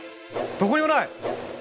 どこにもない！